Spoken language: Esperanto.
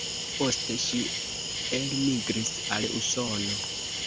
Poste ŝi elmigris al Usono.